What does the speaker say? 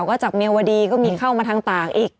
ก็จากเมียวดีก็มีเข้ามาทางตากอีก